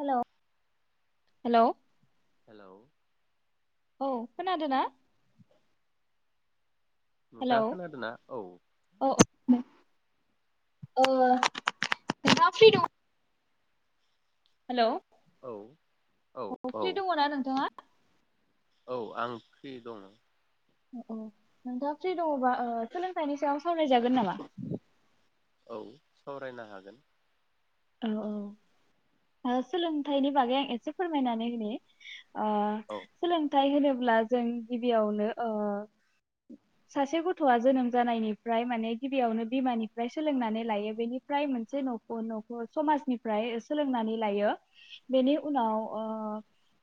Hello hello hello औ खोनादों ना? हेलौ नोंथाङा खोनादोंना औ। औ ओ नोंथाङा फ्रि दं? हेलौ औ औ फ्रि दङ ना नोंथाङा? औ आं फ्रि दं। औ नोंथाङा फ्रि दङबा ओ सोलोंथाइनि सायाव सावरायजागोन नामा? औ सावरायनो हागोन। औ औ ओ सोलोंथाइनि बागै आं एसे फोरमायनानै होनि अ औ सोलोंथाइ होनो ब्ला जों गिबियावनो ओ सासे गथ'आ जोनोम जानायनिफ्राय माने गिबियावनो बिमानिफ्राय सोलोंनानै लायो बेनिफ्राय मोनसे न'खौ न' खौ समाजनिफ्राय सोलोंनानै लायो बेनि उनाव ओ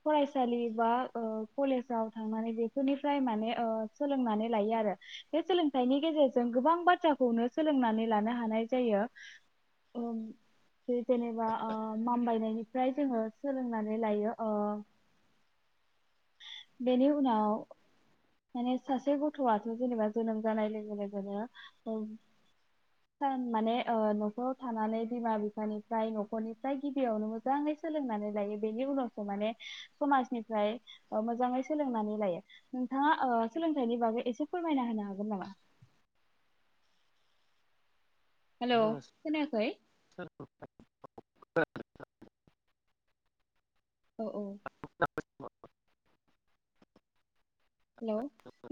फरायसालि बा ओ कलेजाव थांनानै बेफोरनिफ्राय माने ओ सोलोंनानै लायो आरो बे सोलोंथाइनि गेजेरजों गोबां बाथ्राखौनो सोलोंनानै लानो हानाय जायो। ओम जेनेबा ओ माम्बाइनायनि फ्राय जोङो सोलोंनानै लायो ओ बेनि उनाव माने सासे गथ'आथ' जेनेबा जोनोम जानाय लोगो लोगोनो ओम माने ओ न'खराव थानानै बिमा बिफानिफ्राय न'खरनिफ्राय गिबियावनो मोजाङै सोलोंनानै लायो बेनि उनावसो माने समाजनिफ्राय मोजाङै सोलोंनानै लायो। नोंथाङा ओ सोलोंथाइनि बागै एसे फोरमायना होनो हागोन नामा? हेलौ जोङो खोनायाखै? [unintelligible] औ औ [unintelligible] हेलौ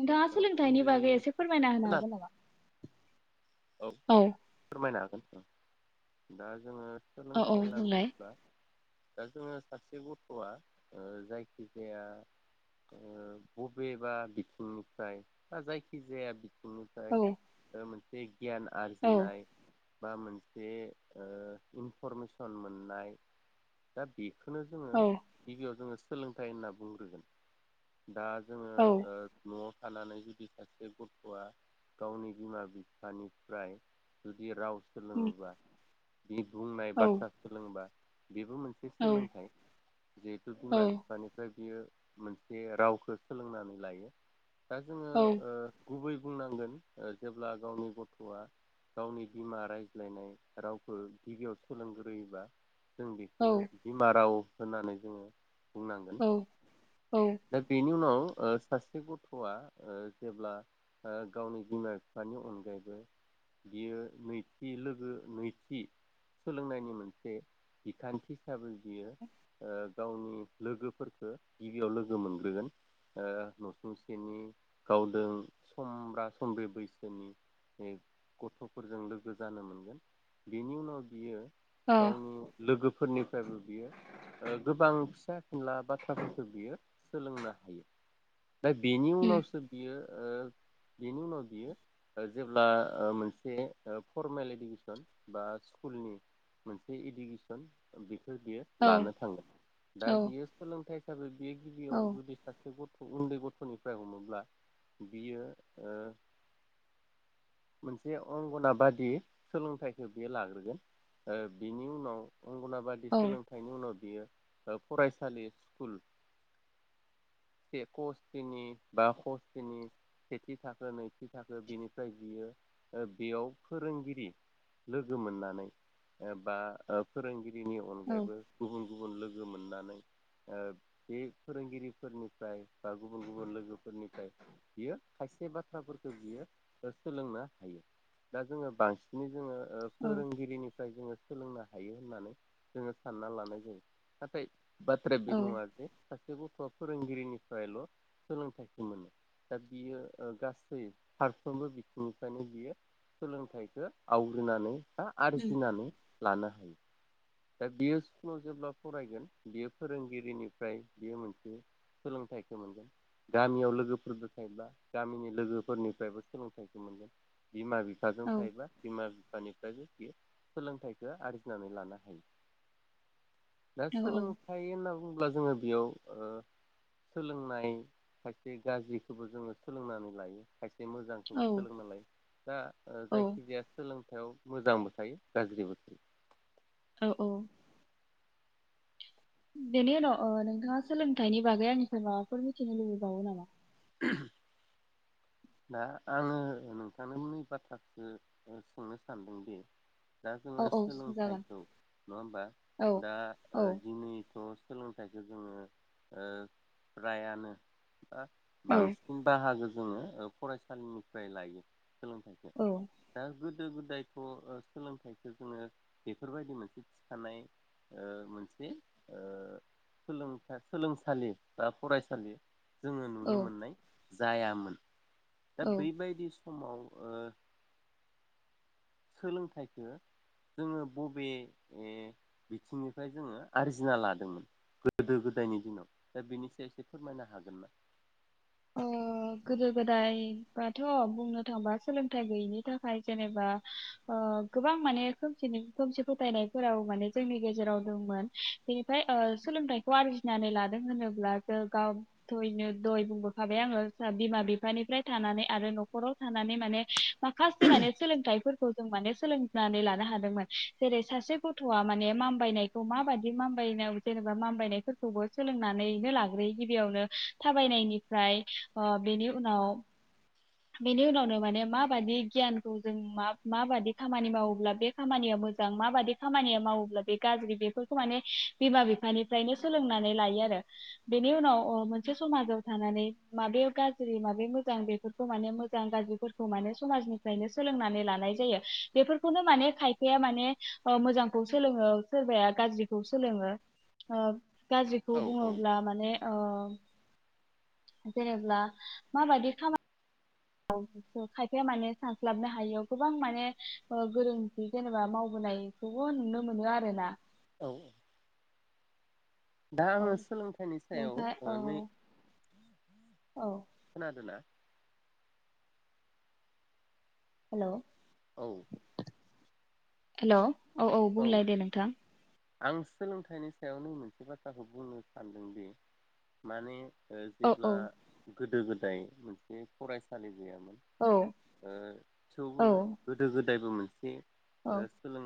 नोंथाङा औ सोलोंथाइनि उन्दै बागै एसे फोरमायना होनो खोनादों हागोन नामा? औ फोरमायनो हागोन। दा जोङो औ औ सोलोंथाइ होनना बुंलाय बुङोब्ला दा जोङो सासे गथ'आ ओ जायखिजाया ओ बबेबा बिथिंनिफ्राय बा जायखिजाया बि थिंनिफ्राय औ ओ मोन से गियान औ आरजिनाय बा मोनसे ओ इनफरमेसन मोननाय दा बे खौनो जोङो औ गिबियाव जोङो सोलोंथाइ होनना बुंग्रोगोन दा जोङो औ ओ न' थानानै जुदि सासे गथ'आ गावनि बिमा बि फानिफ्राय जुदि राव उम सोलोङोबा बि बुंनाय औ बाथ्रा सोलोङोबा बेबो मोनसे औ सोलोंथाइ जिहेथु बिमा बिफानिफ्राय बियो मोनसे रावखौ सोलोंनानै लायो। दा जोङो औ ओ गुबै बुंनांगोन ओ जेब्ला गावनि गथ'आ गावनि बिमा रायज्लायनाय रावखौ गिबियाव सोलोंग्रोयोबा जों औ बेखौ बिमाराव होनानै जोङो बुंनांगोन औ औ दा बेनि उनाव ओ सासे गथ'आ ओ जेब्ला ओ गावनि बिमा बिफानि अनगायै बियो नैथि लोगो नैथि सोलोंनायनि मोनसे बिखानथि हिसाबै बियो ओ गावनि लोगोफोरखो गिबियाव लोगो मोनग्रोगोन ओ नसुंसेनि गावदों समब्रा समब्रि बैसोनि गथ'फोरजों लोगो जानो मोनगोन बेनि उनाव बियो अ गावनि लोगोफोरनि बियो ओ गोबां फिसा खिनला बाथ्राफोरखौ बियो सोलोंनो हायो। दा बेनि उम उनावसो बियो ओ बिनि उनाव बियो जेब्ला ओ मोनसे ओ फरमेल इडुकेसन बा स्कुलनि मोनसे इडुकेसन बेखौ बियो औ लानो थांगोन औ दा बियो सोलोंथाइ हिसाबै बियो औ गिबियाव जुदि सासे गथ' उन्दै गथ'निफ्राय हमोब्ला बियो ओ मोनसे अंगनाबादि सोलोंथाइखौ बेयो लाग्रोगोन ओ बिनि उनाव अंगनाबादि औ सोलोंथाइनि उनाव बियो ओ फरायसालि स्कुल [inaudible] से कस्थिनि बा कस्थिनि सेथि थाखो नैथि थाखो बिनिफ्राय बियो बेयाव फोरोंगिरि लोगो मोननानै ओ बा ओ फोरोंगिरि बिनि औ अनगायैबो गुबुन गुबुन लोगो मोननानै ओ बे फोरोंगिरिफोरनि फ्राय बा गुबुन गुबुन लोगोफोरनिफ्राय बियो खायसे बाथ्राफोरखौ बियो सोलोंनो हायो दा जोङो बांसिनै जोङो ओ औ फोरोंगिरिनिफ्राय जोङो सोलोंनो हायो होननानै जोङो सानना लानाय जायो नाथाय बाथ्राया औ बे नङा उम जे सासे गथ' खौ फोरों गिरिनिफ्रायल' सोलोंथाइखौ मोनो दा बियो ओ गासै फारफ्रोमबो बिथिंनिफ्रायनो बियो सोलोंथाइखो आवग्रिनानै बा आरजिनानै लानो हायो। दा बेयो स्कुलाव जेब्ला फरायगोन बियो फोरोंगिरिनिफ्राय बेयो मोनसे सोलोंथाइखौ मोनगोन गामियाव लोगोफोरबो थायोब्ला गामिनि लोगोफोरनिफ्रायबो सोलोंथाइखौ मोनगोन। बिमा बिफाजों औ थायोबा बिमा बिफानिफ्रायबो सोलोंथाइखौ आरजिनानै लानो हायो। दा औ सोलोंथाइ होनना बुंङोब्ला जोङो बेयाव ओ सोलोंनाय खायसे गाज्रिखौबो जोङो सोलोंनानै लायो खायसे औ सेक्षमोजांखौबो सोलोंना लायो। दा ओ औ जायखि जाया सोंलों थायाव मोजांबो थायो गाज्रिबो थायो। औ औ। बेनि उनाव ओ नोंथाङा सोलोंथाइनि बागै आंनिफ्राय माबाफोर मिथिनो लुबैबावो नामा? ओहोम। दा आङो नोंथांनि बाथ्राखो सोंनो सानदोंदि दा जोङो औ औ जागोन सोलोंथाइखौ नङा होमबा औ दा ओ औ दिनै थ' सोलोंथाइखौ जोङो ओ फ्रायानो ओ औ बांसिन बाहागो जोङो फरायसालिनिफ्राय लायो सोलोंथाइखौ औ दा गोदो गोदायथ' सोलोंथाइखौ जोङो बेफोरबायदि मोनसे थिखानाय ओ मोनसे ओ सोलोंसालि बा फरायसालि जोङो औ नुनो मोननाय जायामोन दा औ बैबायदि स समाव ओ सोलोंथाइखौ जोङो बबे ओ बिथिंनिफ्राय जोङो आरजिना लादोंमोन गोदो गोदायनि दिनाव दा बेनि सायाव एसे फोरमायनो हागोन ना ओ गोदो गोदाय बाथ' बुंनो थांबा सोलोंथाइ गैयिनि थाखाय जेनेबा ओ गोबां माने खोमसिनि खोमसि फोथायनायफोराव माने जोंनि गेजेराव दंमोन बेनिफ्राय ओ सोलोंथाइखौ आरजिनानै लादों होनोब्ला जों गावथयनो दय बुंबो भाबाय आङो बिमा बिफानिफ्राय थानानै आरो न'खराव थानानै माने माखासे माने सोलोंथाइफोरखौ जों माने सोलोंनानै लानो हादोंमोन जेरै सासे गथ'आ माने मामबायनायखौ माबादि मामबायनायाव जेनेबा मामबायनायफोरखौबो सोलोंनानैनो लाग्रोयो गिबियावनो थाबायनायनि ओमफ्राय ओ बेनि उनाव बेनि उनावनो माने माबादि गियानखौ जों मा माबादि खामानि मावोब्ला बे खामानिया मोजां माबादि खामानिया मावोब्ला बे गाज्रि बेफोरखौ माने बिमा बिफानिफ्रायनो सोलोंनानै लायो आरो बेनि उनाव मोनसे समाजाव थानानै माबे गाज्रि माबे मोजां बेफोर माने मोजां गाज्रिफोरखौ माने समाज गाज्रिखौ औ औ बुङोब्ला माने ओ जेनब्ला माबायदि खामानि खायफा माने सानस्लाबनो हायियाव गोबां माने गोरोनथि जेनेबा मावबोनायखौबो नुनो मोनो आरोना औ औ दा औ आङो सोलोंथाइनि सायाव ओमफ्राय औ नै औ खोनादों ना हेल' औ हेल' औ औ बुंलाय दे नोंथां आं सोलोंथाइनि सायाव नै मोनसे बाथ्राखौ बुंनो सानदोंदि माने औ जेब्ला औ गोदो गोद जाय मोनसे फरायसालि गैयामोन औ ओ औ थेवबो गोदो गोदो जायबो मोनसे औ हलों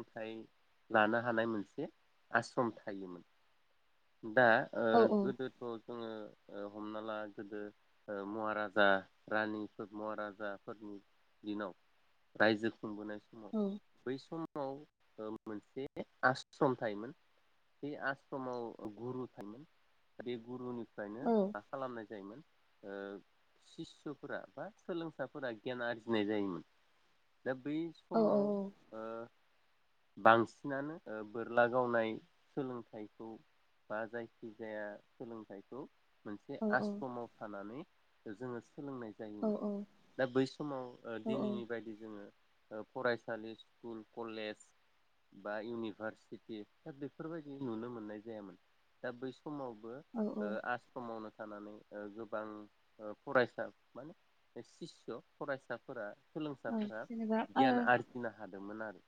लानो हानाय मोनसे आस्रम थायोमोन दा ओ औ गोदोथ' जोङो हमना ला गोदो महाराजा रानिफोर महाराजाफोरनि दिनाव रायजो खुंबोनाय समाव औ बै सम ओ मोनसे आस्रम थायोमोन बे आस्रमाव गुरु थारमोन बे गुरुनि फ्रायनो औ मा खालामनाय जायोमोन ओ सिसुफोरा बा सोलोंसाफोरा गियान आरजिनाय जायोमोन दा बै समाव‌ औ ओ बांसिनानो बोरला गावनाय सोलोंथाइखौ बा जायखिजाया सोलोंथाइखौ मोनसे औ आस्रमाव थानानै जोङो सोलोंनाय जायोमोन दा बै समाव औ दिनैनि बायदि जोङो फरायसालि स्कुल कलेज बा इउनिभारसिटि दा बेफोरबायदि नुनो मोननाय जायामोन। दा बै समावबो औ ओ आस्रमावनो थानानै गोबां फरायसा माने सिसु फरायसाफोरा औ सोलोंसाफोरा जेनेबा ओ गियान आरजिनो हाद गोमोन आरो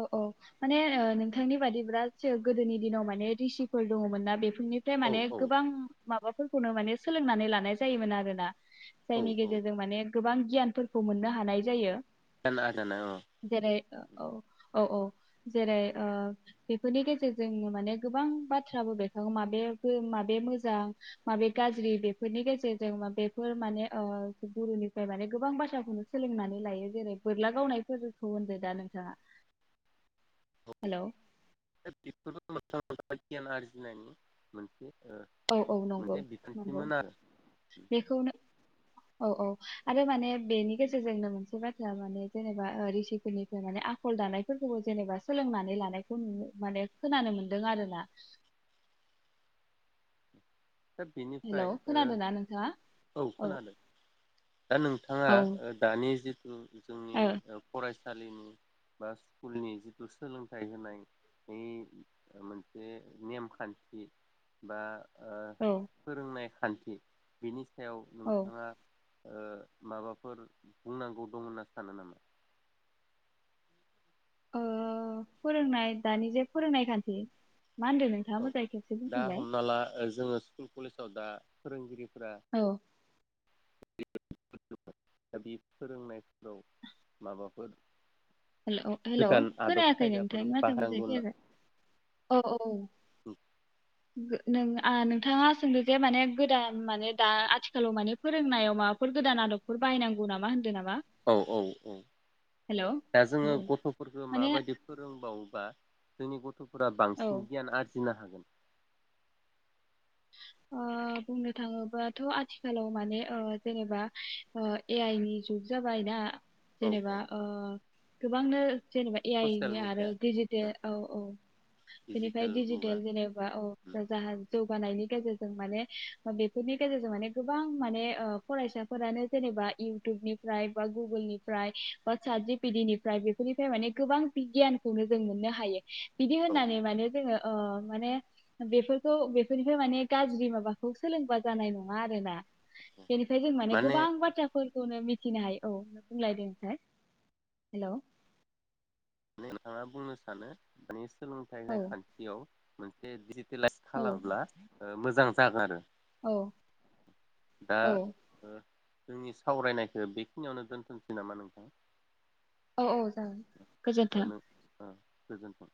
औ औ माने नोंथांनि बादिब्ला जो गोदोनि दिनाव माने रिसिफोर दङमोन ना बे निफ्राय औ माने औ गोबां माबा फोरखौनो माने सोलोंनानै लानाय जायोमोन आरोना। औ जायनि औ गेजेरजों माने गोबां गियानफोरखौ मोननो हानाय जायो। खोनादोंना औ जेरै औ औ औ जेरै बेफोरनि गेजेरजों माने गोबां बाथ्राबो बेरखाङो माबेयाबो माबेया मोजां माबे गाज्रि बेफोरनि गेजेरजों बेफोर माने गुरुनिफ्राय माने गोबां बाथ्राखौनो सोलोंनानै लायो जेरै बोरला गावनायफोरखौ होनदो दा नोंथाङा? हेलौ [unintelligible] [unintelligible] औ औ नंगौ मोनसे नंगौ बिखान्थिमोन आरो बेखौनो औ औ आरो माने बेनि गेजेरजोंनो मोनसे बाथ्रा माने जेनेबा रिसिफोरनिफ्राय माने आखल दानायफोरखौबो जेनेबा सोलोंनानै लानायखौ माने खोनानो मोनदों आरो ना दा बेनिफ्राय खोनादोंना नोंथाङा औ खोनादों दा नोंथाङा ओ दानि जिहेथु जोंनि औ फरायसा फरायसालिनि बा स्कुलनि जिथु सोलोंथाइ होनायनि मोनसे नेमखान्थि बा ओ औ फोरोंनाय खान्थि बिनि सायाव नोंथाङा माबाफोर बुंनांगौ दं होनना सानो नामा? फोरोंनाय दानि जे फोरोंनाय खान्थि मा होनदों नोंथाङा औ मोजाङै खनसे दा बुंफिनलाय हमना ला ओ जोङो स्कुल कलेजाव दा फोरोंगिरि औ। [unintelligible] दा बे फोरोंनायफोराव माबाफोर हेल' हेल' गोदान आदब खोनायाखै खायदाफोर नोंथांनि माथोआ बाहायनांगौ मोजांयै होनना फैयाखै औ औ गो नों आ नोंथाङा सोंदों जे माने गोदान माने दा आथिखालाव माने फोरोंनायाव माबाफोर गोदान आदबफोर बायनांगौ नामा होनदो ना औ औ औ औ दा जोङो गथ'फोरखौ माने माबायदि फोरोंबावोबा जोंनि ग थ'फोरा औ बांसिन गियान आरजि नो हागोन ओ बुंनो थाङोबाथ' आथिखालाव माने ओ जेनेबा ओ ए आइ नि जुग जाबाय दा। औ औ जेनेबा ओ गोबांनो जेनेबा ए आइ ससियेल नि आरो मिडिया डिजिटेल औ औ बेनिफ्राय डिजिटेल मुगा दिजिटेल जेनेबा औ जा जौगानायनि गेजेरजों माने बेफोरनि गेजेरजों माने गोबां माने ओ फरायसाफोरानो जेनेबा इउटुबनिफ्राय बा गुगोलनिफ्राय बा साट जिपिटिनिफ्राय बेफोरनिफ्राय माने गोबां बिगियानखौनो जों मोननो हायो। बिदि औ होननानै माने जोङो ओ माने बेफोरखौ बेफोरनिफ्राय माने गाज्रि माबाखौ सोलोंबा जानाय नङा आरो ना बेनिफ्राय जों माने गोबां बाथ्राफोर नो मिथिनो हायो औ बुंलाय दे ओनफ्राय हेल' नोंथाङा बुंनो सानो माने सोलोंथाइ औ होननाय खान्थियाव मोनसे [unintelligible] इलाइस औ खालामब्ला ओ मोजां जागारो। औ दा औ ओ जोंनि सावरायनायखो बेखिनियावनो दोनथ'सै नामा नोंथां? औ औ। जागोन ओ गोजोन्थों नों ओ गोजोनथों।